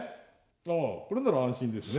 あこれなら安心ですね。